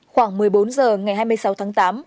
khoảng một mươi bốn h ngày hai mươi sáu tháng tám